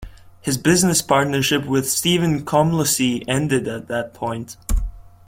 His business partnership with Stephen Komlosy ended at that point.